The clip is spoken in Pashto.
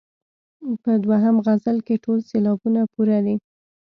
په دوهم غزل کې ټول سېلابونه پوره دي.